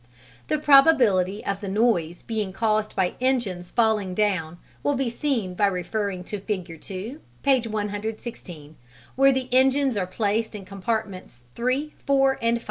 The probability of the noise being caused by engines falling down will be seen by referring to Figure 2, page 116, where the engines are placed in compartments 3, 4, and 5.